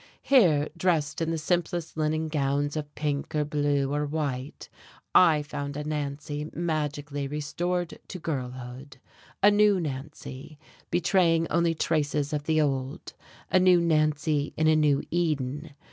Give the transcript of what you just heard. Here, dressed in the simplest linen gowns of pink or blue or white, I found a Nancy magically restored to girlhood, anew Nancy, betraying only traces of the old, a new Nancy in a new Eden.